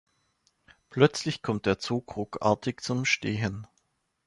Plötzlich kommt der Zug ruckartig zum Stehen.